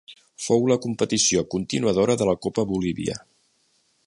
Fou la competició continuadora de la Copa Bolívia.